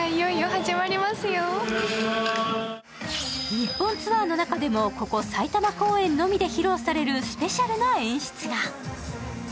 日本ツアーの中でもここ埼玉公演のみで披露されるスペシャルな演出が。